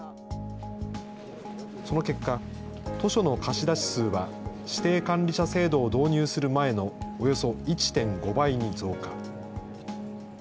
その結果、図書の貸し出し数は指定管理者制度を導入する前のおよそ１．５倍に増加。